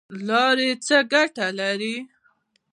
لاړې څه ګټه لري؟